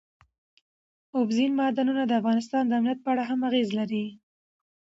اوبزین معدنونه د افغانستان د امنیت په اړه هم اغېز لري.